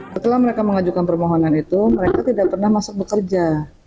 setelah mereka mengajukan permohonan itu mereka tidak pernah masuk bekerja